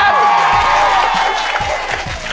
แว็กซี่ตำแหน่งที่๑ครับ